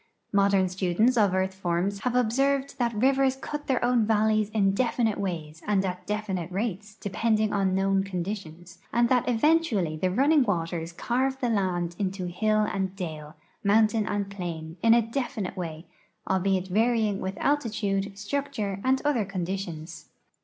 Modern students of earth forms have observed that rivers cut their own valleys in definite wa}^s and at definite rates depend ing on known conditions, and that eventually the running waters carve the land into hill and dale, mountain and plain, in a defi nite way, albeit varying with altitude, structure, and other con ditions.